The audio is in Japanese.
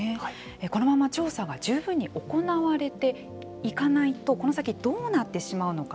このまま調査が十分に行われていかないとこの先どうなってしまうのか。